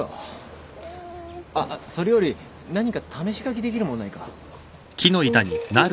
あっそれより何か試し書きできるものないか？